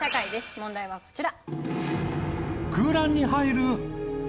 問題はこちら。